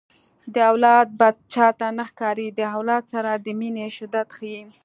د اولاد بد چاته نه ښکاري د اولاد سره د مینې شدت ښيي